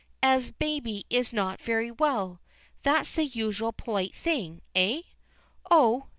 "As baby is not very well? That's the usual polite thing, eh?" "Oh!